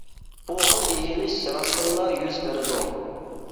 بۇ خىل ئېگىلىش راستتىنلا يۈز بېرىدۇ.